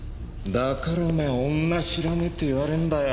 だからお前は女知らねえって言われんだよ。